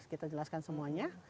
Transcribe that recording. kita jelaskan semuanya